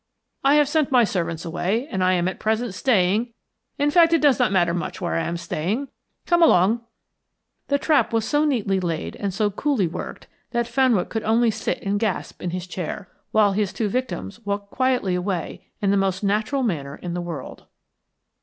I have sent my servants away, and I am at present staying in fact, it does not matter much where I am staying. Come along." The trap was so neatly laid and so coolly worked that Fenwick could only sit and gasp in his chair, while his two victims walked quietly away in the most natural manner in the world.